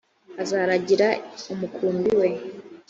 azaragira umukumbi we